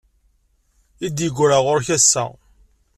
I d-yegra ɣur-k ass-a.